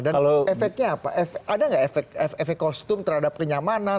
dan efeknya apa ada nggak efek kostum terhadap kenyamanan